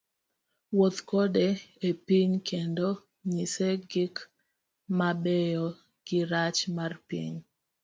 Wuoth kode epiny kendo nyise gik mabeyo girach mar piny.